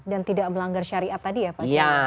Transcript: dan tidak melanggar syariat tadi ya pak